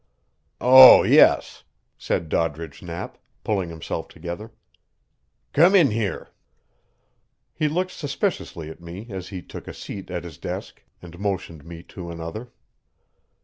"Oh, yes," said Doddridge Knapp, pulling himself together. "Come in here." He looked suspiciously at me as he took a seat at his desk, and motioned me to another.